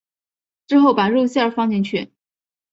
之后把肉馅放进去。